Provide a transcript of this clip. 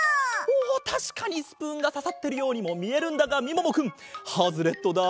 おたしかにスプーンがささってるようにもみえるんだがみももくんハズレットだ。